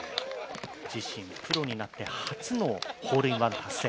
自身プロになって初のホールインワン達成。